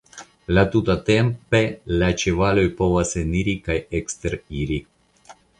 La tuta tempe la ĉevaloj povas eniri kaj eksteriri.